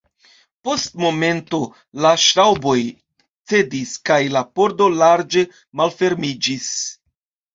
Post momento la ŝraŭboj cedis, kaj la pordo larĝe malfermiĝis.